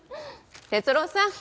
哲郎さん